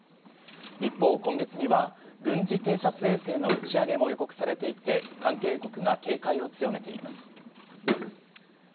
一方今月には、軍事偵察衛星の打ち上げも予告されていて、関係国が警戒を強めています。